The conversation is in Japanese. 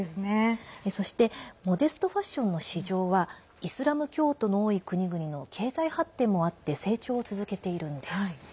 そしてモデストファッションの市場はイスラム教徒の多い国々の経済発展もあって成長を続けているんです。